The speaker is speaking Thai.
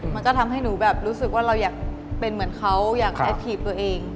มันก็ทำให้หนูแบบรู้สึกว่าเราอยากเป็นเหมือนเขาอยากแอคทีฟตัวเอง